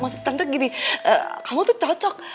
maksudnya tante gini kamu tuh cocok